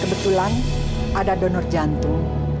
kebetulan ada donor jantung